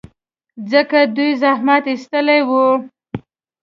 ځکه دوی زحمت ایستلی و.